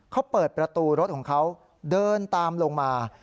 เขาเปิดประตูรถของเขาเดินตามลงมา